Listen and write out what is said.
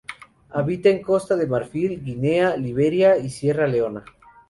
Habita en Costa de Marfil, Guinea, Liberia y Sierra Leona.